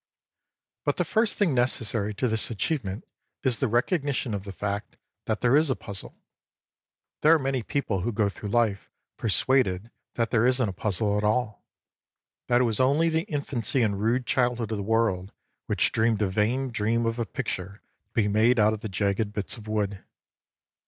But the first thing necessary to this achievement is the recognition of the fact that there is a puzzle. There are many people who go through life persuaded that there isnt a puzzle at all; that it was only the infancy and rude childhood of the world which dreamed a vain dream of a picture to be made out of the jagged bits of wood.